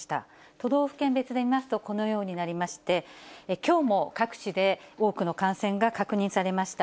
都道府県別で見ますと、このようになりまして、きょうも各地で多くの感染が確認されました。